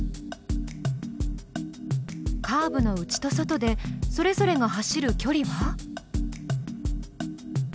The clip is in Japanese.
カーブの内と外でそれぞれが走るきょりは？